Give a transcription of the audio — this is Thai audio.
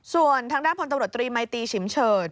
ส่วนทางด้านพลตำรวจตรีมัยตีฉิมเฉิด